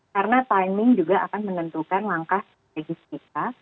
karena timing juga akan menentukan langkah strategis kita